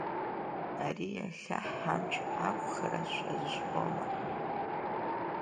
Ари иахьа ҳамч ақәхарашәа жәбома?